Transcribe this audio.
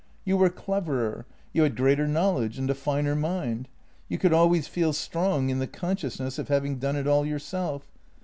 You were cleverer; you had greater knowledge and a finer mind. You could always feel strong in the consciousness of having done it all yourself.